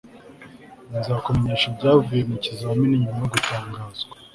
nzakumenyesha ibyavuye mu kizamini nyuma yo gutangazwa